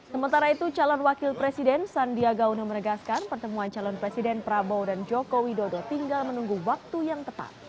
sementara itu calon wakil presiden sandiaga uno menegaskan pertemuan calon presiden prabowo dan joko widodo tinggal menunggu waktu yang tepat